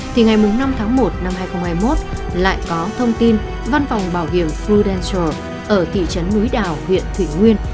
thì ngày năm tháng một năm hai nghìn hai mươi một lại có thông tin văn phòng bảo hiểm fudenture ở thị trấn núi đảo huyện thủy nguyên